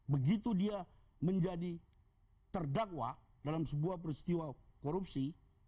begitu dia menjadi terdakwa dalam sebuah peristiwa korupsi